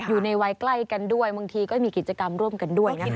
อยู่ในวัยใกล้กันด้วยบางทีก็มีกิจกรรมร่วมกันด้วยนะคะ